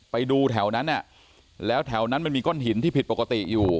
ไปดูแถวนั้นแล้วแถวนั้นมันมีก้อนหินที่ผิดปกติอยู่